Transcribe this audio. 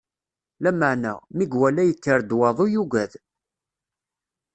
Lameɛna, mi iwala yekker-d waḍu, yugad.